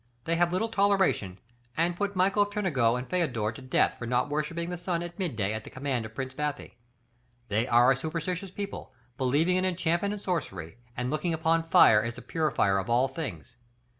They have little toleration, and put Michael of Turnigoo and Féodor to death for not worshipping the sun at midday at the command of Prince Bathy. They are a superstitious people, believing in enchantment and sorcery, and looking upon fire as the purifier of all things.